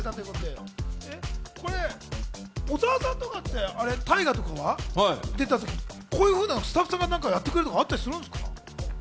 小澤さんとかって大河とか出たとき、こういうふうにスタッフさんがやってくれたことってあるんですか？